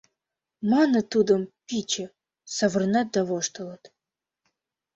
Маныт тудым, «пӱчӧ», савырнат да воштылыт.